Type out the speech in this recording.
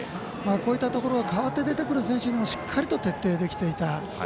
こういったところ代わって出てくる選手にもしっかりと徹底できていた。